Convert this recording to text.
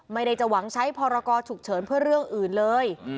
ไม่ได้จะหวังใช้พรกรฉุกเฉินเพื่อเรื่องอื่นเลย